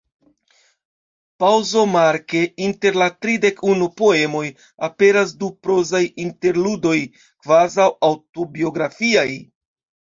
Paŭzomarke, inter la tridek unu poemoj aperas du prozaj interludoj, kvazaŭ aŭtobiografiaj.